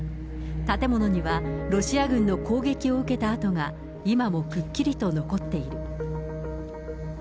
建物には、ロシア軍の攻撃を受けた痕が今もくっきりと残っている。